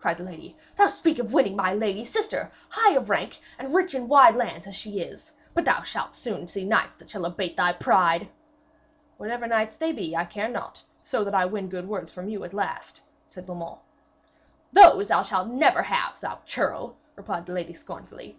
cried the lady. 'Thee to speak of winning my lady sister, high of rank and rich in wide lands as she is! But thou shalt soon see knights that shall abate thy pride.' 'Whatever knights they be, I care not, so that I win good words from you at last,' said Beaumains. 'Those thou shalt never have, thou churl,' replied the lady scornfully.